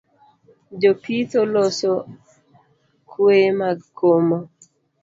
Jopitho loso kweye mag komo